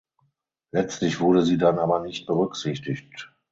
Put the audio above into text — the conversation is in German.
Letztlich wurde sie dann aber nicht berücksichtigt.